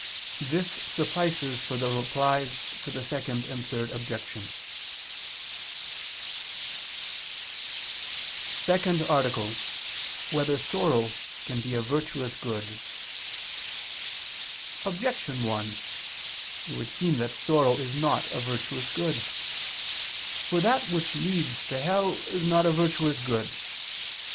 This suffices for the Replies to the Second and Third Objections. ________________________ SECOND ARTICLE [I II, Q. 39, Art. 2] Whether Sorrow Can Be a Virtuous Good? Objection 1: It would seem that sorrow is not a virtuous good. For that which leads to hell is not a virtuous good.